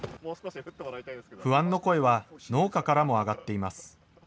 不安の声は農家からも上がっています。